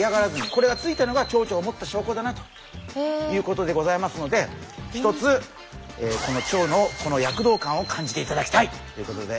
これがついたのがチョウチョを持った証こだなということでございますのでひとつこのチョウの躍動感を感じていただきたいということで。